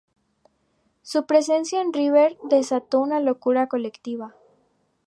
Su presencia en River desató una locura colectiva.